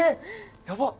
やばっ！